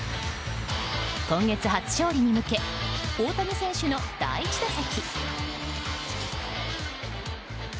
今月、初勝利に向け大谷選手の第１打席。